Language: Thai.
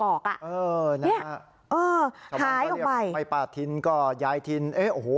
เออนะฮะชาวบ้านก็เรียกไปป้าทินก็ยายทินเอ๊ะโอ้โห